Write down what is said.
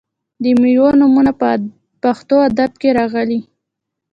د میوو نومونه په پښتو ادب کې راغلي.